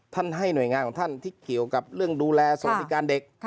ให้หน่วยงานของท่านที่เกี่ยวกับเรื่องดูแลสวัสดิการเด็ก